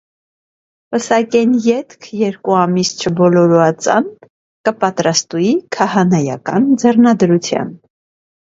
Պսակէն ետք երկու ամիս չբոլորուածան կը պատրաստուի քահանայական ձեռնադրութեան։